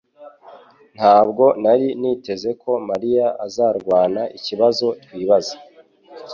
Ntabwo nari niteze ko mariya azarwana ikibazo twibaza